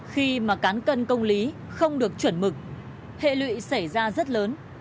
khi mà cán cân công lý không được chuẩn mực hệ lụy xảy ra rất lớn